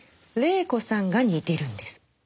黎子さんが似てるんです。